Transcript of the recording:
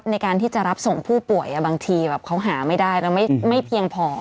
ในการที่จะรับส่งผู้ป่วยบางทีเขาหาไม่ได้แล้วไม่เพียงพอ